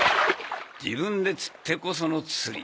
自分で釣ってこその釣り。